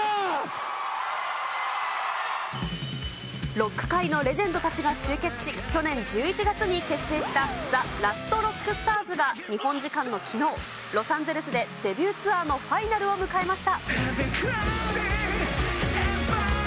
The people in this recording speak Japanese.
ロック界のレジェンドたちが集結し、去年１１月に結成したＴＨＥＬＡＳＴＲＯＣＫＳＴＡＲＳが日本時間のきのう、ロサンゼルスでデビューツアーのファイナルを迎えました。